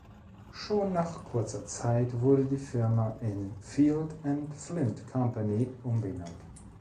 Schon nach kurzer Zeit wurde die Firma in "Field and Flint Company" umbenannt.